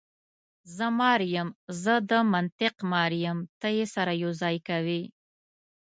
زه مار یم، زه د منطق مار یم، ته یې سره یو ځای کوې.